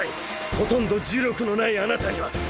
ほとんど呪力のないあなたにはそれしか。